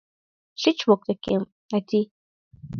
— Шич воктекем, Нати...